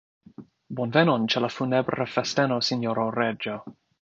Bonvenon ĉe la funebra festeno, sinjoro reĝo!